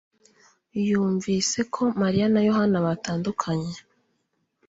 yumvise ko Mariya na Yohana batandukanye.